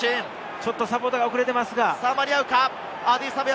ちょっとサポートが遅れています。